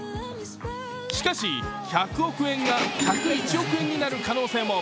しかし、１００億円が１０１億円になる可能性も。